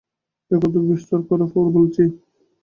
এ-কথা বিস্তার করে পরে বলছি।